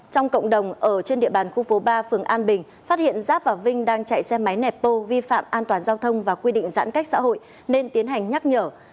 trong cộng đồng ở trên địa bàn khu phố ba phường an bình phát hiện giáp và vinh đang chạy xe máy nẹp bô vi phạm an toàn giao thông và quy định giãn cách xã hội nên tiến hành nhắc nhở